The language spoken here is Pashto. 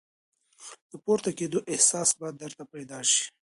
د پورته کېدو احساس به درته پیدا شي !